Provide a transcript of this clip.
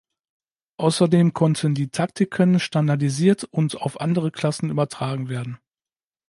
Außerdem konnten die Taktiken standardisiert und auf andere Klassen übertragen werden.